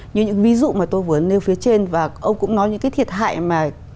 như những ví dụ mà tôi vừa nêu phía trên và ông cũng nói những cái thiệt hại mà